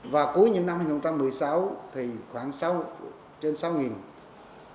và cuối những năm hai nghìn một mươi sáu thì khoảng trên sáu hộ đồng bào dân tộc nghèo so với tổng số đồng bào dân tộc tiểu số